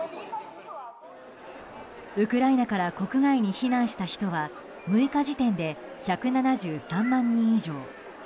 ウクライナから国外に避難した人は６日時点で１７３万人以上。